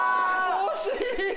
惜しい！